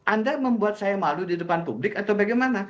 anda membuat saya malu di depan publik atau bagaimana